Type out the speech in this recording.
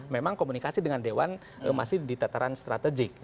memang komunikasi dengan dewan masih di tataran strategik